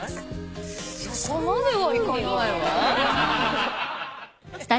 そこまではいかないわ。